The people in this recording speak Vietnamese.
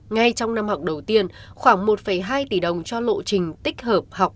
ngay trong năm học đầu tiên khoảng một hai tỷ đồng cho lộ trình tích hợp học